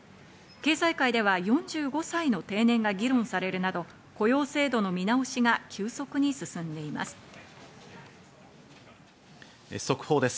経済界では４５歳の定年が議論されるなど、雇用制度の見直しが急速に進んでいます。